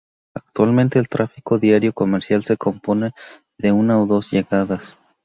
Actualmente, el tráfico diario comercial se compone de una o dos llegadas.